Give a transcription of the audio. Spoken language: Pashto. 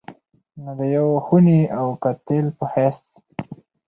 نو د يو خوني او قاتل په حېث